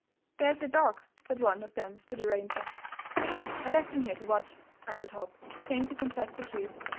" There's your dog," said one of them to the ranger. '' I left him here to watch, '' answered Hopp, ashamed to confess the truth.